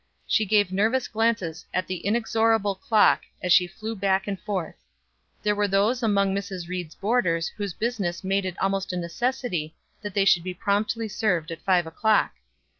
She gave nervous glances at the inexorable clock as she flew back and forth. There were those among Mrs. Ried's boarders whose business made it almost a necessity that they should be promptly served at five o'clock.